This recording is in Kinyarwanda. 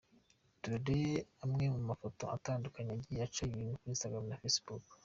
Dore amwe mu mafoto atandukanye yagiye aca ibintu kuri Instagram ndetse na Facebook.